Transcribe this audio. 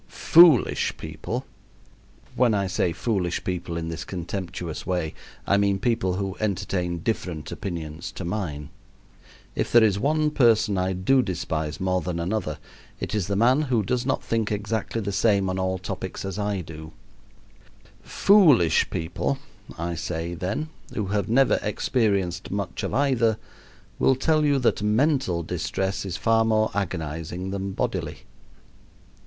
Foolish people when I say "foolish people" in this contemptuous way I mean people who entertain different opinions to mine. If there is one person I do despise more than another, it is the man who does not think exactly the same on all topics as I do foolish people, I say, then, who have never experienced much of either, will tell you that mental distress is far more agonizing than bodily.